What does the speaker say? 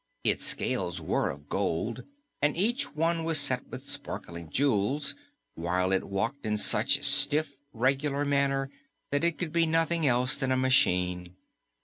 Its scales were of gold, and each one was set with sparkling jewels, while it walked in such a stiff, regular manner that it could be nothing else than a machine.